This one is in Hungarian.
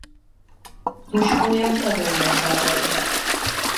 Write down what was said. Tuskója nagyon jól sarjad.